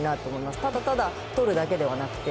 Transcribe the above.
ただただ取るだけではなくて。